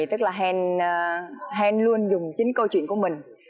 tức là hèn luôn dùng chính câu chuyện